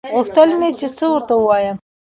غوښتل مې چې څه ورته ووايم.